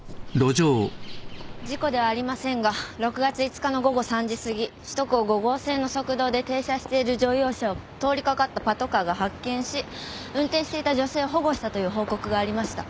事故ではありませんが６月５日の午後３時すぎ首都高５号線の側道で停車している乗用車を通り掛かったパトカーが発見し運転していた女性を保護したという報告がありました。